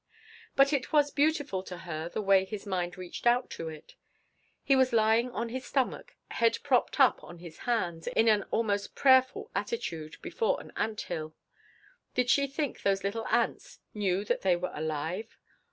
But it was beautiful to her the way his mind reached out to it. He was lying on his stomach, head propped up on hands, in an almost prayerful attitude before an ant hill. Did she think those little ants knew that they were alive?